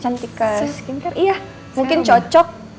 cantika skincare iya mungkin cocok